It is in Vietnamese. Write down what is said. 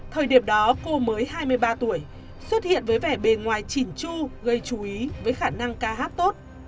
thời điểm đó cô mới hai mươi ba tuổi xuất hiện với vẻ bề ngoài chỉn chu gây chú ý với khả năng ca hát tốt